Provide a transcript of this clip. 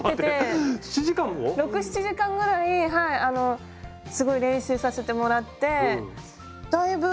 ６７時間ぐらいはいあのすごい練習させてもらってだいぶはい。